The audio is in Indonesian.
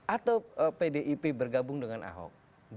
atau pdip bergabung dengan ahok